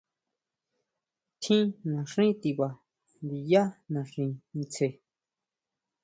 Tjín naxí tiba ndiyá naxi tsjen.